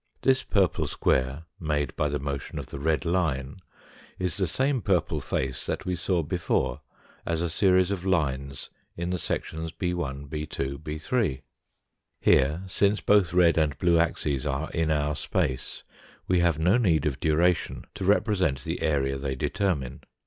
This purple square made by the motion of the red line is the same purple face that we saw before as a series of lines in the sections b lt 6 2 . ^3 Here, since both red and blue axes are in our space, we have no need of duration to represent the area they determine.